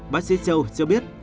bác sĩ châu cho biết